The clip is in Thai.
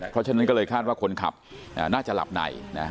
เพราะฉะนั้นก็เลยคาดว่าคนขับน่าจะหลับใน